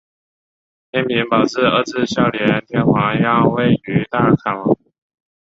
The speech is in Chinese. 天平宝字二年孝谦天皇让位于大炊王。